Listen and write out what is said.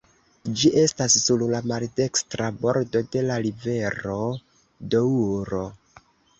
Ĝi estas sur la maldekstra bordo de la rivero Doŭro.